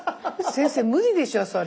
先生無理でしょそれ。